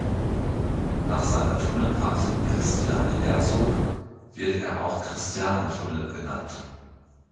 Nach seiner Tunnelpatin Christiane Herzog wird er auch Christiane-Tunnel genannt.